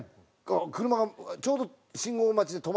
車がちょうど信号待ちで止まったかなんかで。